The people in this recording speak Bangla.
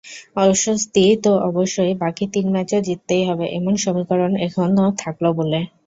অস্বস্তি তো অবশ্যই বাকি তিন ম্যাচও জিততেই হবে—এমন সমীকরণ এখনো থাকল বলে।